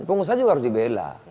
pengusaha juga harus dibela